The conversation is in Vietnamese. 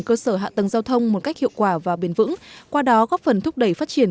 cơ sở hạ tầng giao thông một cách hiệu quả và bền vững qua đó góp phần thúc đẩy phát triển